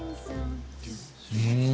うん。